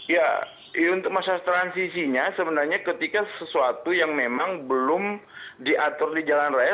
ya untuk masa transisinya sebenarnya ketika sesuatu yang memang belum diatur di jalan raya